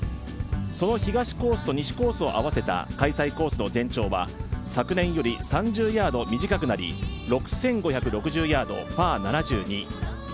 その東コースと西コースを合わせた開催コースの全長は昨年より３０ヤード短くなり６５６０ヤード、パー７２。